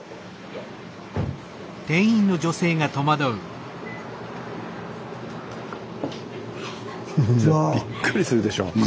スタジオびっくりするでしょ。